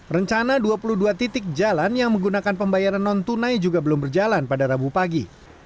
rencana dua puluh dua titik jalan yang menggunakan pembayaran non tunai juga belum berjalan pada rabu pagi